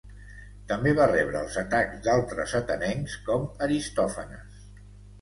També va rebre els atacs d'altres atenencs com Aristòfanes.